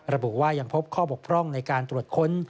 ระบุว่ายังพบข้อบกพร่องในการตรวจค้น